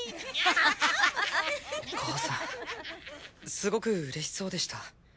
すごくうれしそうでした。